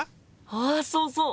あそうそう！